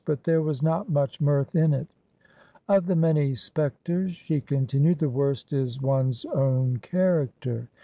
But there was not much mirth in it " Of the many spectres," she continued, " the worst is one's own character